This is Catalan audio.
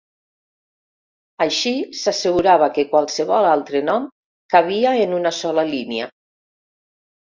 Així s'assegurava que qualsevol altre nom cabia en una sola línia.